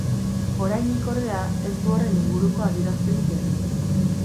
Oraindik, ordea, ez du horren inguruko adierazpenik egin.